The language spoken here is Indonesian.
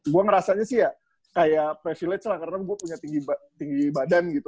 gue ngerasanya sih ya kayak privilege lah karena gue punya tinggi badan gitu